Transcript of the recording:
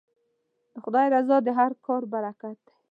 د خدای رضا د هر کار برکت دی.